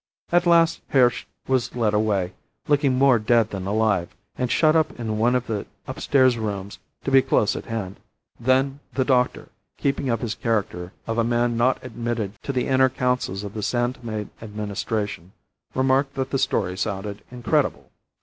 At last, Hirsch was led away, looking more dead than alive, and shut up in one of the upstairs rooms to be close at hand. Then the doctor, keeping up his character of a man not admitted to the inner councils of the San Tome Administration, remarked that the story sounded incredible.